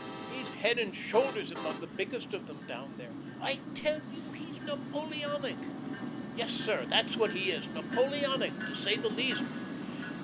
He's head and shoulders above the biggest of them down there. I tell you he's Napoleonic. Yes, sir, that's what he is, Napoleonic, to say the least.